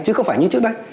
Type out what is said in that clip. chứ không phải như trước đây